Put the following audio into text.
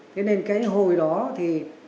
thế nên cái hồi đó thì